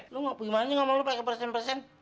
lu ngapain ngapainnya ngomong lu pake persen persen